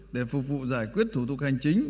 để phục vụ giải quyết thủ tục hành chính